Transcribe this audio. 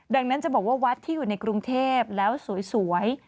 ดังนั้นจะบอกว่าวัดที่อยู่ในกรุงเทพแล้วสวย